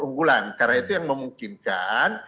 unggulan karena itu yang memungkinkan